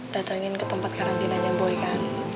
datangin ke tempat karantinanya boy kan